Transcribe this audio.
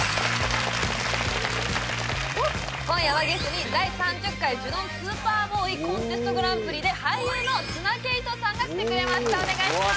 今夜はゲストに第３０回ジュノン・スーパーボーイ・コンテストグランプリで俳優の綱啓永さんが来てくれましたお願いします！